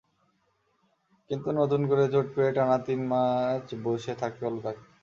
কিন্তু নতুন করে চোট পেয়ে টানা তিন ম্যাচ বসে থাকতে হলো তাঁকে।